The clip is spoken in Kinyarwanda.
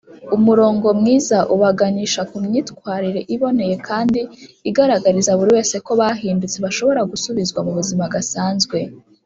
Umurongo mwiza ubaganisha ku myitwarire iboneye kandi igaragariza buri wese ko bahindutse bashobora gusubizwa mubuzima gasanzwe.